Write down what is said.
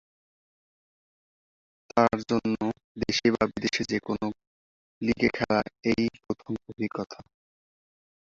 তার জন্য, দেশে বা বিদেশে যে কোনও লিগে খেলার এই প্রথম অভিজ্ঞতা।